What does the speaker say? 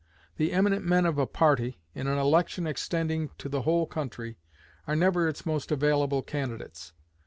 The eminent men of a party, in an election extending to the whole country, are never its most available candidates.